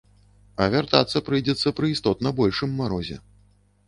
А вяртацца прыйдзецца пры істотна большым марозе.